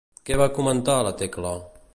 Què va comentar la Tecla?